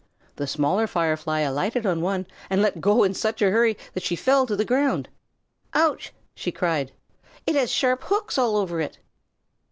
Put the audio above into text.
The Smaller Firefly alighted on one and let go in such a hurry that she fell to the ground. "Ouch!" she cried. "It has sharp hooks all over it."